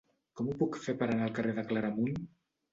Com ho puc fer per anar al carrer de Claramunt?